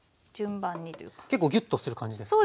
結構ギュッとする感じですか？